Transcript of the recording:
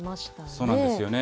そうなんですよね。